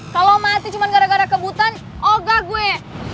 kalo mati cuma gara gara kebutan oga gue